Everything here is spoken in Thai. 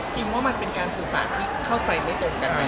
พิมว่ามันเป็นการสื่อสารที่เข้าใจไม่โดนกัน